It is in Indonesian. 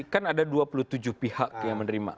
kan ada dua puluh tujuh pihak yang menerima